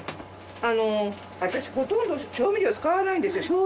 私ほとんど調味料使わないんですよ。